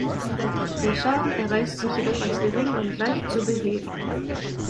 Der Schaden erweist sich jedoch als gering und leicht zu beheben.